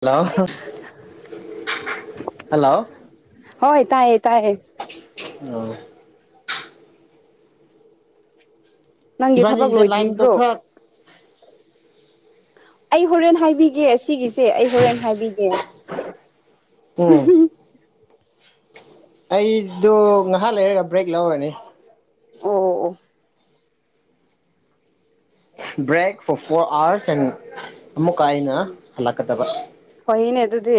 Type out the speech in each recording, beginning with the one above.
hello hello ꯍꯣꯏ ꯇꯥꯏꯌꯦ ꯇꯥꯏꯌꯦ ꯑꯣ ꯅꯪꯒꯤ ꯊꯕꯛ ꯏꯕꯥꯅꯤꯒꯤꯁꯦ ꯂꯥꯏꯟꯗꯣ ꯂꯣꯏꯗ꯭ꯔꯤꯕ꯭ꯔꯣ ꯈꯔ ꯑꯩ ꯍꯣꯔꯦꯟ ꯍꯥꯏꯕꯤꯒꯦ ꯑꯁꯤꯒꯤꯁꯦ ꯑꯩ ꯍꯣꯔꯦꯟ ꯍꯥꯏꯕꯤꯒꯦ ꯎꯝ ꯑꯣ ꯑꯩꯗꯣ ꯉꯥꯏꯍꯥꯛ ꯂꯩꯔꯒ ꯕ꯭ꯔꯦꯛ ꯂꯧꯔꯅꯤ ꯑꯣ ꯑꯣ ꯑꯣ ꯭ꯔꯦꯛ ꯐꯣꯔ ꯐꯣꯔ ꯑꯋꯥꯔꯁ ꯑꯦꯟ ꯑꯃꯨꯛꯀꯥꯏꯅ ꯍꯜꯂꯛꯀꯗꯕ ꯗꯨꯗꯤ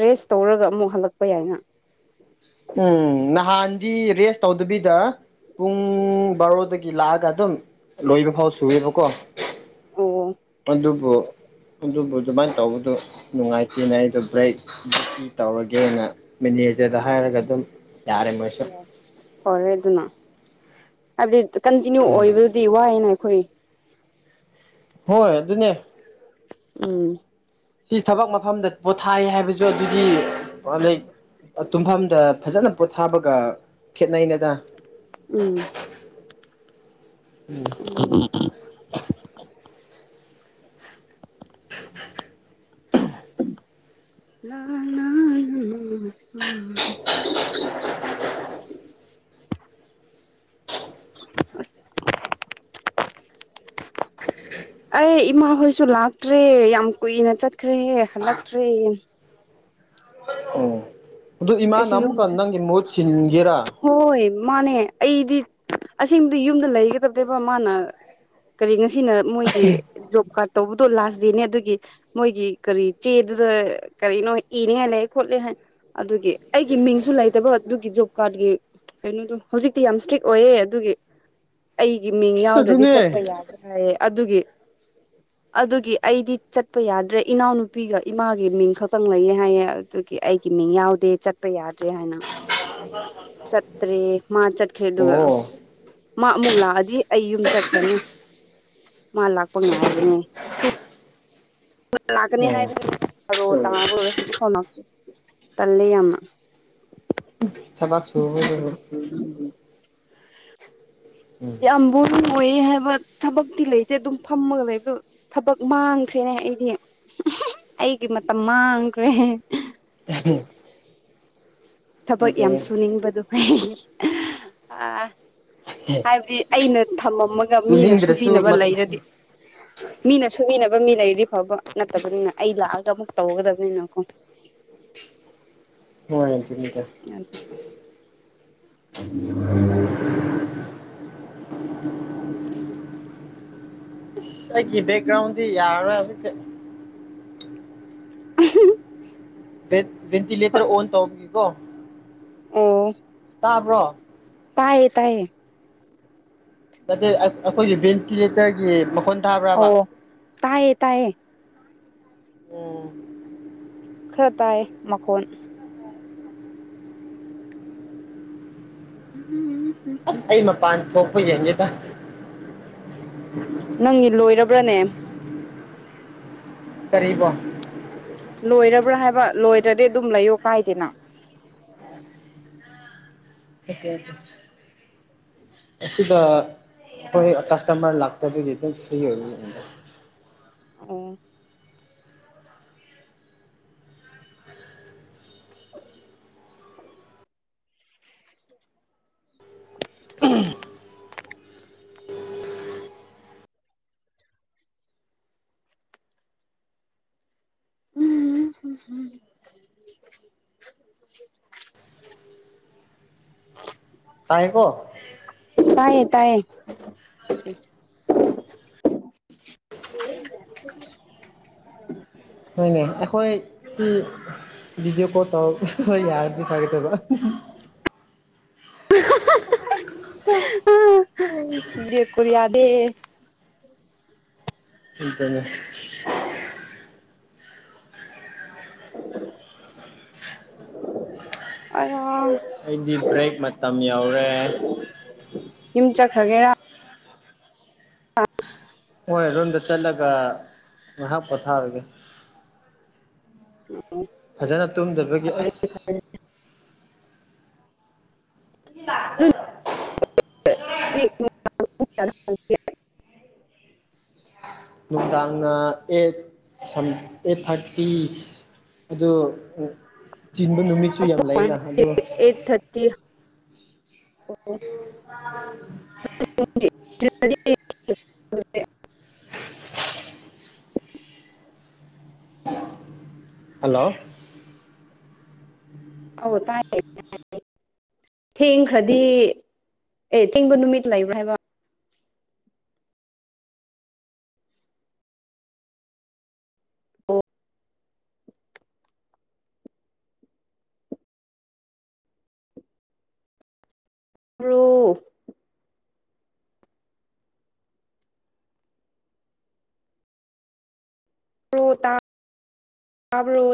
ꯔꯦꯁ ꯇꯧꯔꯒ ꯑꯃꯨꯛ ꯍꯜꯂꯛꯄ ꯌꯥꯏꯅ ꯎꯝ ꯅꯍꯥꯟꯗꯤ ꯔꯦꯁ ꯇꯧꯗꯕꯤꯗ ꯄꯨꯡ ꯕꯥꯔꯣꯗꯒꯤ ꯂꯥꯛꯑꯒ ꯑꯗꯨꯝ ꯂꯣꯏꯕ ꯐꯥꯎ ꯁꯨꯑꯦꯕꯀꯣ ꯑꯣ ꯑꯗꯨꯕꯨ ꯑꯗꯨꯕꯨ ꯑꯗꯨꯃꯥꯏꯅ ꯇꯧꯕꯗꯨ ꯅꯨꯡꯉꯥꯏꯇꯦꯅ ꯑꯩꯗꯣ ꯕ꯭ꯔꯦꯛ [unintelligible] ꯇꯧꯔꯒꯦꯅ ꯍꯥꯏꯔꯒ ꯑꯗꯨꯝ ꯌꯥꯔꯦ ꯃꯣꯏꯁꯨ ꯍꯔꯦ ꯑꯗꯨꯅ ꯍꯥꯏꯕꯗꯤ ꯀꯟꯇꯤꯅ꯭ꯌꯨ ꯎꯝ ꯑꯣꯏꯕꯗꯨꯗꯤ ꯋꯥꯏꯅ ꯍꯨꯏ ꯍꯣꯏ ꯑꯗꯨꯅꯦ ꯎꯝ ꯁꯤ ꯊꯕꯛ ꯃꯐꯝꯗ ꯄꯣꯊꯥꯏ ꯍꯥꯏꯕꯁꯨ ꯑꯗꯨꯗꯤꯗꯩ ꯇꯨꯝꯐꯝꯗ ꯐꯖꯅ ꯄꯣꯊꯥꯕꯒ ꯈꯦꯠꯅꯩꯩꯅꯗ ꯎꯝ ꯎꯝ ꯂꯥ ꯎ ꯑꯩ ꯏꯃꯥ ꯍꯣꯏꯁꯨ ꯂꯥꯛꯇ꯭ꯔꯦ ꯌꯥꯝ ꯀꯨꯏꯅ ꯆꯠꯈ꯭ꯔꯦ ꯍꯜꯂꯛꯇ꯭ꯔꯦ ꯑꯣ ꯑꯗꯨ ꯏꯃꯥꯅ ꯌꯨꯝ ꯑꯃꯨꯛꯀ ꯅꯪ ꯃꯍꯨꯠ ꯁꯤꯟꯒꯦ ꯍꯣꯏ ꯃꯥꯅꯦ ꯑꯩꯗꯤ ꯑꯁꯦꯡꯕꯗꯤ ꯌꯨꯝꯗ ꯂꯩꯒꯗꯕꯅꯦꯦꯕ ꯃꯥꯅ ꯀꯔꯤ ꯉ ꯁꯤꯅ ꯃꯣꯏꯒꯤ ꯖꯣꯕ ꯀꯥꯔꯠ ꯇꯧꯕ ꯑꯗꯨꯣ ꯂꯥꯁ ꯗꯦꯅꯦ ꯑꯗꯨꯒꯤ ꯃꯣꯏꯒꯤ ꯀꯔꯤ ꯆꯦꯗꯨꯗ ꯀꯔꯤꯅꯣ ꯏꯅꯤ ꯍꯥꯏ ꯂꯩꯑꯦ ꯈꯣꯠꯂꯦ ꯍꯥꯏ ꯑꯗꯨꯒꯤ ꯑꯩꯒꯤ ꯃꯤꯡꯁꯨ ꯂꯩꯇꯕ ꯑꯗꯨꯒꯤꯖꯨ ꯀꯥꯔꯠꯀꯤ ꯀꯩꯅꯣꯗꯣ ꯍꯧꯖꯤꯛꯇꯤ ꯌꯥꯝ ꯏꯁꯇ꯭ꯔꯤꯛ ꯑꯣꯏꯌꯦꯦ ꯑꯗꯨꯒꯤ ꯑꯩ ꯒꯤ ꯃꯤꯡ ꯏꯁ ꯌꯥꯎꯗ꯭ꯔꯗꯤ ꯑꯗꯨꯅꯦ ꯆꯠꯄ ꯌꯥꯗ꯭ꯔꯦ ꯍꯥꯏꯌꯦ ꯑꯗꯨꯒꯤ ꯑꯗꯨꯒꯤ ꯑꯩꯗꯤ ꯆꯠꯄ ꯌꯥꯗ꯭ꯔꯦ ꯏꯅꯥꯎꯅꯨꯄꯤꯒ ꯏꯃꯥꯒꯤ ꯃꯤꯡ ꯈꯛꯇꯪ ꯂꯩꯌꯦ ꯍꯥꯏꯌꯦ ꯑꯗꯨꯒꯤ ꯑꯩꯒꯤ ꯃꯤꯡ ꯌꯥꯎꯗꯦ ꯆꯠꯄ ꯌꯥꯗ꯭ꯔꯦ ꯍꯥꯏꯅ ꯆꯇ꯭ꯔꯤ ꯃꯥ ꯆꯠꯈ꯭ꯔꯦ ꯑꯗꯨꯒ ꯑꯣ ꯃꯥ ꯑꯃꯨꯛ ꯂꯥꯛꯑꯗꯤ ꯑꯩ ꯌꯨꯝ ꯆꯠꯈ꯭ꯔꯅꯤ ꯃꯥ ꯂꯥꯛꯄ ꯉꯥꯏꯕꯅꯦ ꯂꯥꯛꯀꯅꯤ ꯑꯣ ꯍꯥꯏꯕꯣ ꯂ ꯑꯣꯏꯔꯦ ꯍꯧꯖꯤꯛ ꯁꯣ ꯇꯜꯂ ꯌꯥꯝꯅ ꯊꯕꯛ ꯁꯨꯕꯗꯨꯕꯨ [unintelligible] ꯎꯝ ꯌꯥꯝ ꯑꯝꯕꯨ ꯑꯣꯏꯌꯦ ꯍꯥꯏꯕ ꯊꯕꯛꯇꯤ ꯂꯩꯇꯦ ꯑꯗꯨꯝ ꯐꯝꯃꯒ ꯂꯩꯕ ꯊꯕꯛ ꯃꯥꯡꯈ꯭ꯔꯦꯅꯦ ꯑꯩꯗꯤ ꯑꯩꯒꯤ ꯃꯇꯝ ꯃꯥꯡꯈ꯭ꯔꯦ ꯊꯕꯛ ꯑꯗꯨꯅꯦ ꯌꯥꯝ ꯁꯨꯅꯤꯡꯕꯗꯣ ꯍ ꯑ ꯍꯥꯏꯕꯗꯤ ꯑꯩꯅ ꯊꯝꯃꯝꯃꯒ ꯃꯤꯅ ꯁꯨꯅꯤꯡꯗ꯭ꯔꯁꯨ ꯁꯨꯕꯤꯅꯕ ꯃꯠ ꯂꯩꯔꯗꯤ ꯃꯤꯅ ꯁꯨꯃꯤꯅꯕ ꯃꯤ ꯂꯩꯔꯤꯔꯤ ꯐꯥꯎꯕ ꯅꯠꯇꯕꯅꯤꯅ ꯑꯩ ꯂꯥꯛꯑꯒ ꯑꯃꯨꯛ ꯇꯧꯒꯗꯕꯅꯤꯅꯀꯣ ꯍ ꯃꯤꯗ ꯑꯗꯨꯒꯤ ꯑꯦ ꯀ ꯦꯛꯀꯒ꯭ꯔꯥꯎꯟꯗꯤ ꯏꯔ [unintelligible] [unintelligible] ꯑ ꯦꯟꯇꯤꯂꯦꯇꯔ ꯑꯣꯟ ꯇꯒꯒꯣ ꯑꯣ ꯇꯥꯕ꯭ꯔꯣ ꯇꯌꯦ ꯇꯌꯦ ꯑ ꯑꯩꯈꯣꯏꯒꯤ ꯚꯦꯟꯇꯤꯂꯦꯇꯔꯒꯤ ꯃꯈꯣꯟ ꯇꯥꯕ꯭ꯔꯕ ꯑꯣ ꯇꯥꯏꯌꯦ ꯇꯥꯏꯌꯦ ꯎꯝ ꯈꯔ ꯇꯥꯏ ꯃꯈꯀꯣꯟ ꯎꯝ ꯎꯝ ꯑꯁ ꯑꯩ ꯃꯄꯥꯟ ꯊꯣꯛ ꯍꯃꯦꯦ ꯇ ꯅꯪꯒꯤ ꯂꯣꯏꯔꯕ ꯕ꯭ꯔꯅꯦ ꯀꯔꯤꯕꯣ ꯂꯣꯏꯔꯕ꯭ꯔꯥ ꯍꯥꯏꯕ ꯂꯣꯏꯗ꯭ꯔꯗꯤ ꯑꯗꯨꯝ ꯂꯩꯌꯣ ꯀꯥꯏꯗꯦꯅ ꯑꯦꯁꯨꯗ ꯑꯩꯏ ꯀꯥꯁꯇꯃꯔ ꯂꯥꯛꯄꯗꯤ ꯐ꯭ꯔꯤ ꯑꯣꯏ ꯑꯣ ꯎꯝꯝ ꯇꯥꯏꯀꯣ ꯇꯥꯏꯌꯦ ꯇꯥꯏꯌꯦ ꯍꯣꯏꯅꯦ ꯑꯩꯈꯣꯏ ꯁꯤ ꯚꯤꯗꯤꯑꯣ ꯀꯣꯜ ꯇꯧꯔꯒ ꯑꯩꯈꯣꯏ ꯌꯥꯔꯗꯤ ꯐꯒꯦꯗꯕ ꯌꯦ ꯀ ꯌꯥꯗꯦ [inaudible] ꯏꯟꯇ꯭ꯔꯅꯦꯠ ꯑꯥꯏ ꯑꯩꯗꯤ ꯕ꯭ꯔꯦꯛ ꯃꯇꯝ ꯌꯧꯔꯦ ꯌꯨꯝ ꯆꯠꯈ꯭ꯔꯒꯦꯔꯥ ꯑ ꯍꯣꯏ ꯔꯔꯣꯝꯗ ꯆꯠꯂꯒ ꯉꯥꯏꯍꯥꯛ ꯄꯣꯊꯥꯔꯒꯦ ꯎ ꯐꯖꯅ ꯇꯨꯝꯗꯕꯒꯤ ꯑꯁ ꯂꯥꯛꯔꯣ ꯆ ꯅꯨꯡꯗꯥꯡꯅ ꯑꯦꯠ ꯑꯦꯠ ꯊꯥꯔꯇꯤ ꯇꯤ ꯑꯗꯣ ꯆꯤꯟꯕ ꯅꯨꯃꯤꯠꯁꯨ ꯌꯥꯝ ꯂꯩꯅ ꯑꯗꯣ ꯑꯩꯠ ꯊꯥꯔꯇꯤ [unintelligible] [unintelligible] [inaudible] ꯍꯜꯂꯣ ꯑꯧ ꯇꯥꯏꯌꯦ [unintelligible] ꯊꯦꯡꯈ꯭ꯔꯗꯤ ꯑꯦ ꯊꯦꯡꯕ ꯅꯨꯃꯤꯠ ꯂꯩꯕ꯭ꯔꯥ ꯍꯥꯏꯕ ꯑꯣ ꯨꯣ ꯇꯕ꯭ꯔꯣ